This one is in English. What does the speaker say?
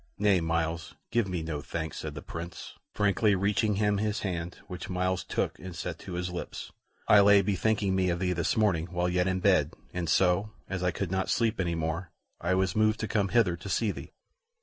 "Nay, Myles, give me no thanks," said the Prince, frankly reaching him his hand, which Myles took and set to his lips. "I lay bethinking me of thee this morning, while yet in bed, and so, as I could not sleep any more, I was moved to come hither to see thee."